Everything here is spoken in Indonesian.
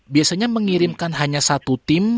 biasanya mengirimkan hanya satu tim